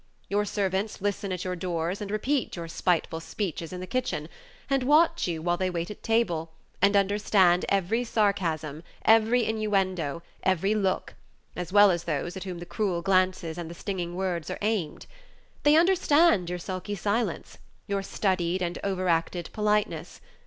Your servants listen at your doors, and repeat your spiteful speeches in the kitchen, and watch you while they wait at table, and understand every sarcasm, every innuendo, every look, as well as those at whom the cruel glances and the stinging words are aimed. They understand your sulky silence, your studied and overacted politeness.